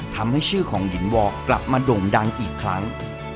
ทำให้ชื่อของหญิงวอร์กลับมาโด่งดังอีกครั้ง